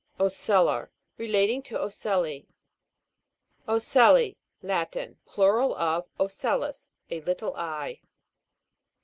O'CELLAR. Relating to ocelli. O'CELLI. Latin. Plural of ocellus, a little eye.